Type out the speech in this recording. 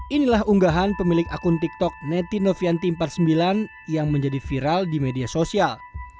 inilah unggahan pemilik akun tiktok neti novianti empat puluh sembilan yang menjadi viral di media sosial